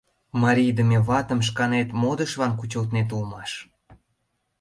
Марийдыме ватым шканет модышлан кучылтнет улмаш!..